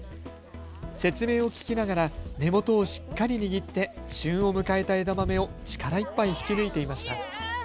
説明を聞きながら根元をしっかり握って旬を迎えた枝豆を力いっぱい引き抜いていました。